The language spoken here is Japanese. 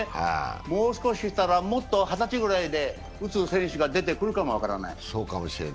もう少ししたら、もっと２０歳ぐらいで打つ選手が出てくるかも分からない。